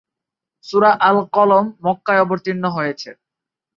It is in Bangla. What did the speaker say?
সূরা আল-কলম মক্কায় অবতীর্ণ হয়েছে।